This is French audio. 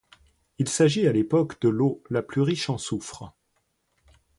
Il s’agit à l’époque de l’eau la plus riche en soufre.